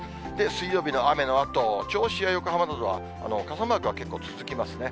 水曜日の雨のあと、銚子や横浜などは傘マークが結構続きますね。